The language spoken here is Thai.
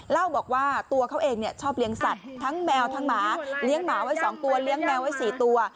เล่าบอกว่าตัวเขาเองชอบเลี้ยงสัตว์ทั้งแมวทั้งหมาเลี้ยงหมาไว้๒ตัวเลี้ยงแมวไว้๔ตัว